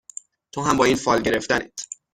تو هم با این فال گرفتنت